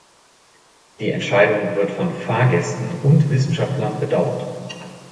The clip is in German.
Die Entscheidung wird von Fahrgästen und Wissenschaftlern bedauert.